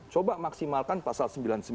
coba maksimalkan pasal sembilan puluh sembilan